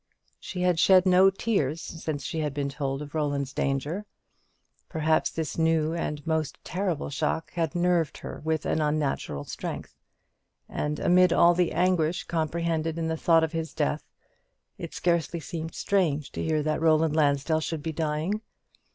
She had shed no tears since she had been told of Roland's danger. Perhaps this new and most terrible shock had nerved her with an unnatural strength. And amid all the anguish comprehended in the thought of his death, it scarcely seemed strange to her that Roland Lansdell should be dying.